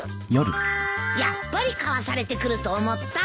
やっぱり買わされてくると思った。